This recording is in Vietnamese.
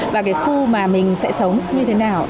và cái khu mà mình sẽ sống như thế nào